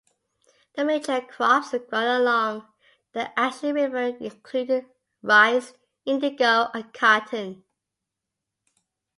The major crops grown along the Ashley River included rice, indigo, and cotton.